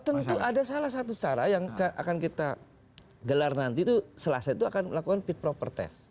tentu ada salah satu cara yang akan kita gelar nanti tuh selesai tuh akan melakukan fit and proper test